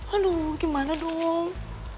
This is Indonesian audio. aduh gimana dong